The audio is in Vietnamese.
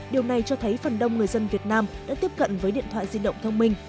điều này cho thấy phần đông người dân việt nam đã tiếp cận với điện thoại di động thông minh